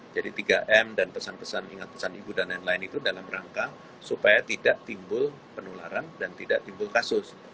jadi tiga m dan pesan pesan ingat pesan ibu dan lain lain itu dalam rangka supaya tidak timbul penularan dan tidak timbul kasus